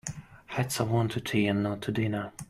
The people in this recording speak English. Hats are worn to tea and not to dinner.